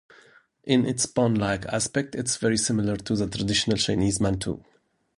In its bun-like aspect it is very similar to the traditional Chinese mantou.